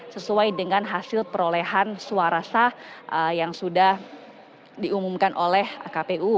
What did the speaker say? sesuai dengan hasil perolehan suara sah yang sudah diumumkan oleh kpu